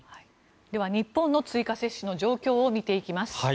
では、日本の追加接種の状況を見ていきます。